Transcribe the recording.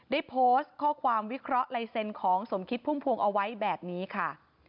ได้โพสต์ข้อความวิเคราะห์ลายเซ็นต์ของสมคิดพุ่มพวงเอาไว้แบบนี้ค่ะ